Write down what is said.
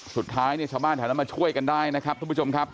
สุดท้ายชาวบ้านเขามาช่วยกันได้นะครับทุกผู้ชมครับ